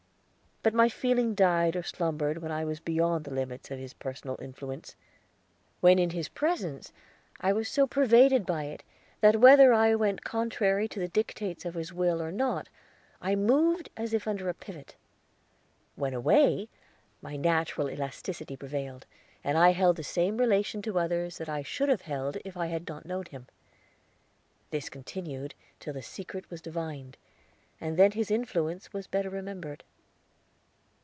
But my feeling died or slumbered when I was beyond the limits of his personal influence. When in his presence I was so pervaded by it that whether I went contrary to the dictates of his will or not I moved as if under a pivot; when away my natural elasticity prevailed, and I held the same relation to others that I should have held if I had not known him. This continued till the secret was divined, and then his influence was better remembered.